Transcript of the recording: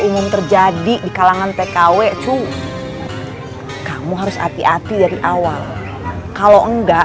mimin pamit dulu ya